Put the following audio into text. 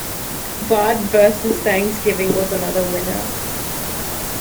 'Bart versus Thanksgiving' was another winner.